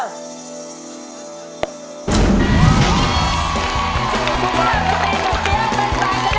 สุภาพสตรีสุดเตียวเป็น๘คะแดน